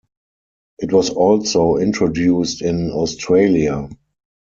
It was also introduced in Australia.